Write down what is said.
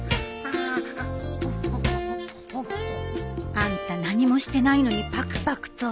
あんた何もしてないのにパクパクと。